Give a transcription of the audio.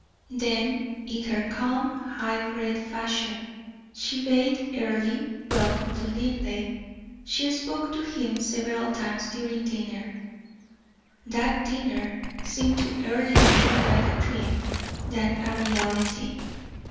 Then in her calm, high bred fashion she bade Earle welcome to Linleigh; she spoke to him several times during dinner. That dinner seemed to Earle more like a dream than a reality.